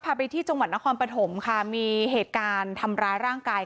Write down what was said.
ไปที่จังหวัดนครปฐมค่ะมีเหตุการณ์ทำร้ายร่างกาย